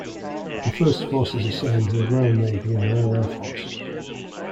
The first forces assigned were Royal Navy and Royal Air Force.